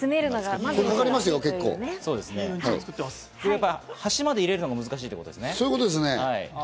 端っこまで入れるのが難しいってことですね。